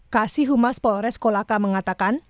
kasih humas polres kolaka mengatakan